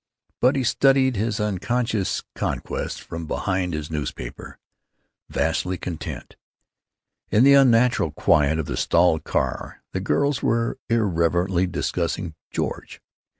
But he studied his unconscious conquests from behind his newspaper, vastly content. In the unnatural quiet of the stalled car the girls were irreverently discussing "George."